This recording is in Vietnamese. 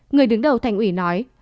người đứng đầu thành ủy nói